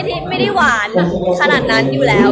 ก็จริงก็ไม่ได้หวานขนาดนั้นอยู่แล้ว